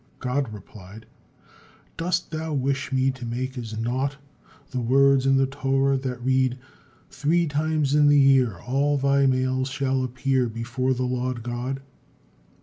God replied: "Dost thou wish Me to make as naught the words in the Torah that read, 'Three times in the year all thy males shall appear before the Lord God?'